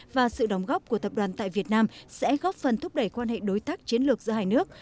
và sự đóng góp của tập đoàn tại việt nam sẽ góp phần thúc đẩy quan hệ đối tác chiến lược giữa hai nước